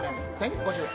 １０５０円。